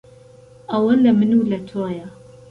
ئهوه له من و له تۆیه